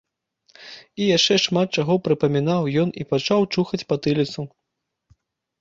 І яшчэ шмат чаго прыпамінаў ён і пачаў чухаць патыліцу.